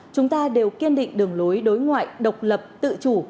chúng ta đều kiên định đường lối đối ngoại độc lập tự chủ